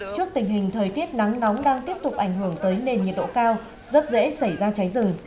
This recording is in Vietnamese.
trước tình hình thời tiết nắng nóng đang tiếp tục ảnh hưởng tới nền nhiệt độ cao rất dễ xảy ra cháy rừng